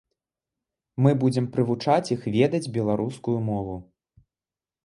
Мы будзем прывучаць іх ведаць беларускую мову.